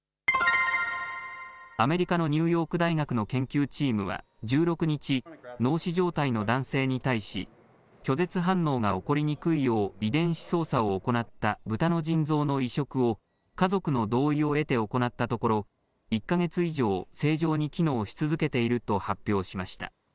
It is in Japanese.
アメリカのニューヨーク大学の研究チームは１６日、脳死状態の男性に対し拒絶反応が起こりにくいよう遺伝子操作を行ったブタの腎臓の移植を家族の同意を得て行ったところ、１か月以上正常に機能し続けていると発表しました。